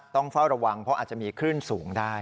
ต้องเฝ้าระวังเพราะอาจจะมีคลื่นสูงได้